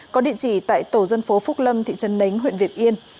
có địa chỉ tại tổ dân phố phúc lâm thị trấn nánh huyện việt yên